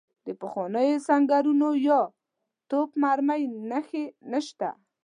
د پخوانیو سنګرونو یا توپ مرمۍ نښې نشته.